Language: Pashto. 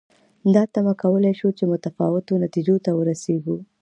دا تمه کولای شو چې متفاوتو نتیجو ته ورسېږو.